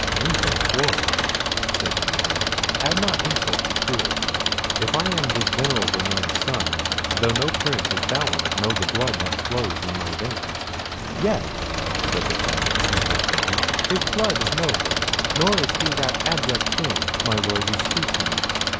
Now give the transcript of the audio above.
"Injurious Lord!" said Theodore, "add not insult to cruelty. If I am this venerable man's son, though no Prince, as thou art, know the blood that flows in my veins—" "Yes," said the Friar, interrupting him, "his blood is noble; nor is he that abject thing, my Lord, you speak him.